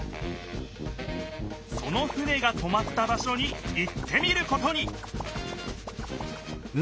その船がとまった場所に行ってみることに！